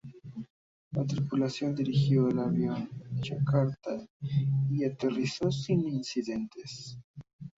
La tripulación dirigió el avión a Yakarta y aterrizó sin incidentes.